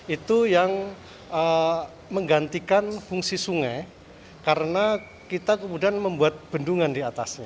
itu yang menggantikan fungsi sungai karena kita kemudian membuat bendungan di atasnya